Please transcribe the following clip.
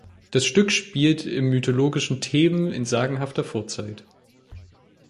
Das Stück spielt im mythologischen Theben in sagenhafter Vorzeit.